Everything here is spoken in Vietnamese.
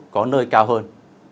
có nơi cao hơn